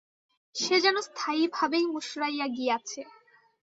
সে যেন স্থায়ীভাবেই মুষড়াইয়া গিয়াছে।